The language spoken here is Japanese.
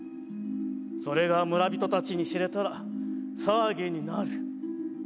それが村人たちに知れたら騒ぎになる。